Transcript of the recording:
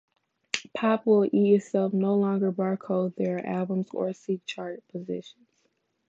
Pop Will Eat Itself no longer barcode their albums or seek chart positions.